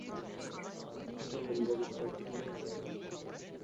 স্টর্মব্রেকারটাকে থামাতে হবে তোমার।